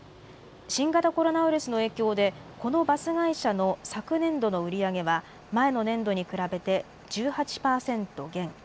新型コロナウイルスの影響で、このバス会社の昨年度の売り上げは、前の年度に比べて１８％減。